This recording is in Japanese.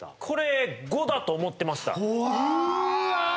これ５だと思ってましたわ